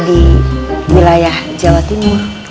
di wilayah jawa timur